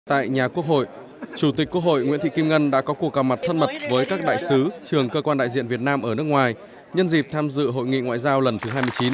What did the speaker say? tại nhà quốc hội chủ tịch quốc hội nguyễn thị kim ngân đã có cuộc gặp mặt thân mật với các đại sứ trường cơ quan đại diện việt nam ở nước ngoài nhân dịp tham dự hội nghị ngoại giao lần thứ hai mươi chín